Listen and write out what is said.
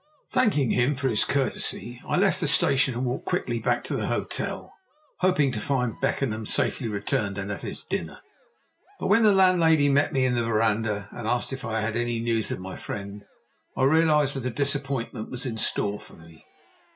Thanking him for his courtesy I left the station and walked quickly back to the hotel, hoping to find Beckenham safely returned and at his dinner. But when the landlady met me in the verandah, and asked if I had any news of my friend, I realized that a disappointment was in store for me.